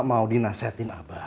kemal gak mau dinasehatin abah